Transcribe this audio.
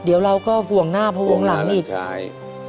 เดี๋ยวเราก็ห่วงหน้าเพราะห่วงหลังอีกห่วงหน้าแล้วใช่